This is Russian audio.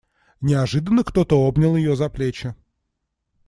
Неожиданно кто-то обнял ее за плечи.